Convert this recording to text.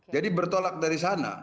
jadi bertolak dari sana